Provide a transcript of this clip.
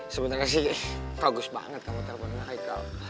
sebenernya sih bagus banget kamu teleponin haikal